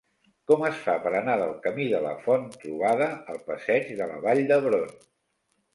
Com es fa per anar del camí de la Font-trobada al passeig de la Vall d'Hebron?